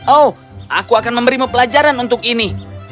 oh aku akan memberimu pelajaran untuk ini